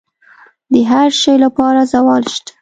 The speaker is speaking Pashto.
د هر شي لپاره زوال شته،